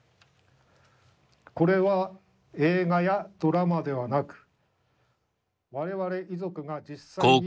これは映画やドラマではなく我々遺族が実際に。